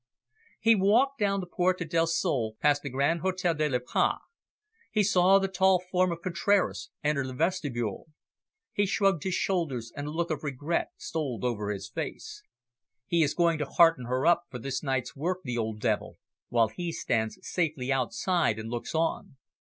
He walked down the Puerta del Sol, past the Grand Hotel de la Paix. He saw the tall form of Contraras enter the vestibule. He shrugged his shoulders, and a look of regret stole over his face. "He is going to hearten her up for this night's work, the old devil, while he stands safely outside, and looks on.